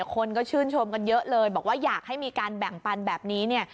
คนก็ชื่นชมกันเยอะเลยบอกว่าอยากให้มีการแบ่งปันแบบนี้เนี่ย